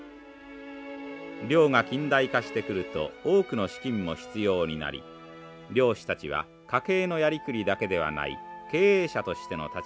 漁が近代化してくると多くの資金も必要になり漁師たちは家計のやりくりだけではない経営者としての立場が要求されてきています。